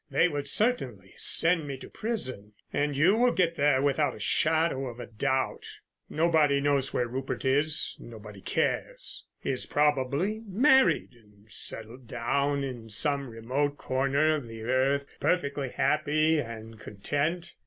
They would certainly send me to prison. And you will get there without a shadow of doubt. Nobody knows where Rupert is, nobody cares. He has probably married and settled down in some remote corner of the earth perfectly happy and content.